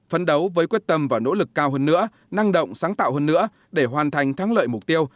phấn đấu với quyết tâm và nỗ lực cao hơn nữa năng động sáng tạo hơn nữa để hoàn thành thắng lợi mục tiêu